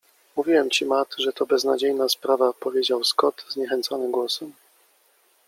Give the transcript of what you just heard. Mówiłem ci Matt, że to beznadziejna sprawa powiedział Scott zniechęconym głosem. -